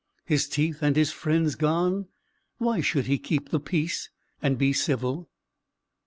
His teeth and his friends gone, why should he keep the peace, and be civil?